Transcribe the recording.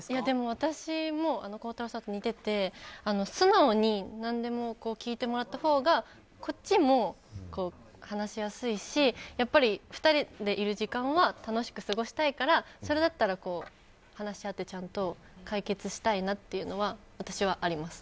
私も孝太郎さんと似てて素直に何でも聞いてもらったほうがこっちも話しやすいし２人でいる時間は楽しく過ごしたいからそれだったら話し合ってちゃんと解決したいなというのは私はあります。